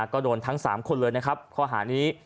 ก็โดนทั้ง๓คนเลยนะครับข้อหานี้